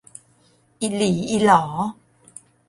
อิหลีอิหลอ